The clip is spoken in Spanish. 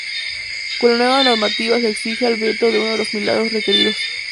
Con la nueva normativa se exime al beato de uno de los milagros requeridos.